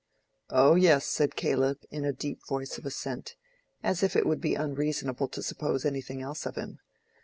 "Oh yes," said Caleb, in a deep voice of assent, as if it would be unreasonable to suppose anything else of him.